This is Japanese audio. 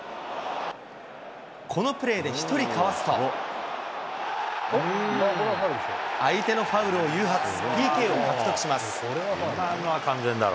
このプレーで１人かわすと、相手のファウルを誘発、ＰＫを獲得します。